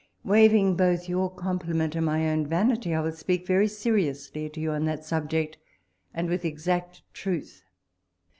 Waving both your compliment and my own vanity, I will speak very seriously to you on that subject, and with exact truth.